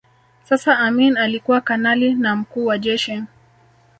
Sasa Amin alikuwa kanali na mkuu wa jeshi